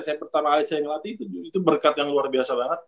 saya pertama kali saya ngelatih itu berkat yang luar biasa banget